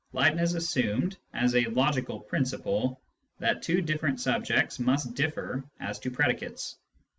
Leibniz assumed, as a logical principle, that two different subjects must differ as to predicates.